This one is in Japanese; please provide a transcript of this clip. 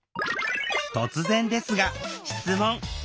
突然ですが質問！